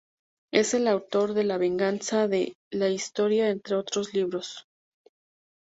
Es el autor de "La venganza de la historia", entre otros libros.